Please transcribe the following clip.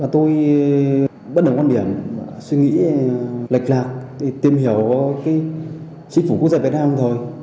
tôi bất đồng quan điểm suy nghĩ lệch lạc để tìm hiểu chính phủ quốc gia việt nam lâm thời